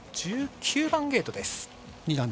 １９番ゲートです。